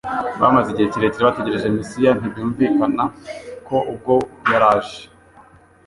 Bamaze igihe kirekire bategereje Mesiya, ntibyunvikana ko ubwo yari aje,